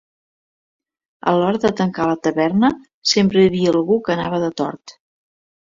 A l'hora de tancar la taverna, sempre hi havia algú que anava de tort.